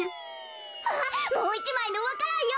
あっもう１まいのわか蘭よ！